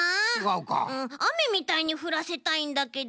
うんあめみたいにふらせたいんだけど。